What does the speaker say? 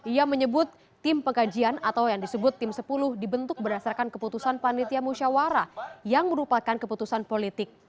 ia menyebut tim pengkajian atau yang disebut tim sepuluh dibentuk berdasarkan keputusan panitia musyawara yang merupakan keputusan politik